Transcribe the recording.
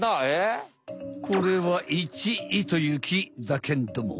これはイチイという木だけんども。